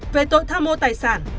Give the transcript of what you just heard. về tội tham mô tài sản